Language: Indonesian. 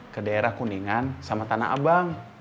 ke daerah kuningan sama tanah abang